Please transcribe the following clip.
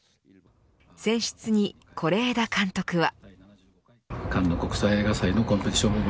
選出に是枝監督は。